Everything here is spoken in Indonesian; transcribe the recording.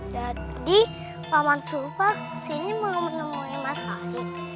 jadi paman sumpah kesini mau menemui mas ahir